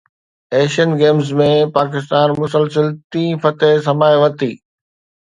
Asian Games ۾ Pakistan مسلسل ٽئين فتح سمائي ورتي